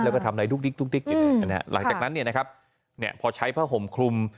แล้วก็ทำอะไรดุ๊กดิ๊กดุ๊กดิ๊กหลังจากนั้นพอใช้ผ้าห่มคลุม